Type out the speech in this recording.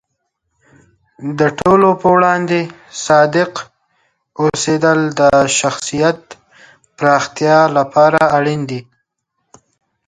د ټولو په وړاندې صادق اوسیدل د شخصیت پراختیا لپاره اړین دی.